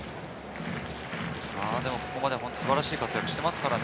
ここまで素晴らしい活躍してますからね。